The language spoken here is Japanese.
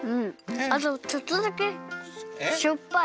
あとちょっとだけしょっぱい！